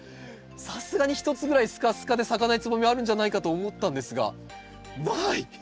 さすがに一つぐらいスカスカで咲かないつぼみあるんじゃないかと思ったんですがない。